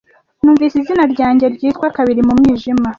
Numvise izina ryanjye ryitwa kabiri mu mwijima.